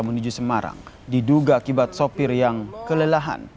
menuju semarang diduga akibat sopir yang kelelahan